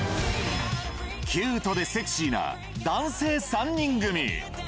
キュートでセクシーな男性３人組。